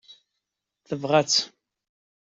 Tabɣest!